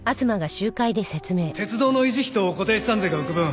鉄道の維持費と固定資産税が浮く分